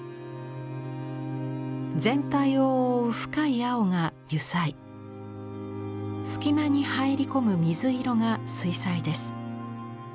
全体を覆う深い青が油彩隙間に入り込む水色が水彩です。